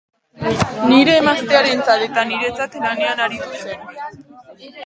Nire emaztearentzat eta niretzat lanean aritu zen.